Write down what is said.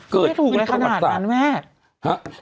ไม่ถูกกันขนาดนั้นแม่